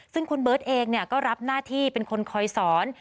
ซึ่งคุณเบิร์ตเองก็รับหน้าที่เป็นคนคอยสอน